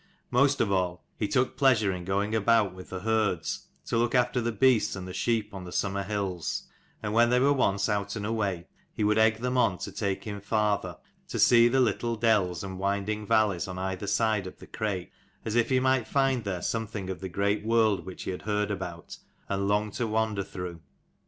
Most of all he took pleasure in going about with the herds, to look after the beasts and the sheep on the summer hills : and when they were once out and away, he would egg them on to take him farther, to see the little dells and winding valleys on either side of the Crake, as if he might find there something of the great world which he had heard about and longed to wander through.